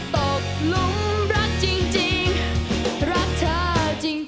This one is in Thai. ตกลุ่มรักจริงรักเธออย่ังไง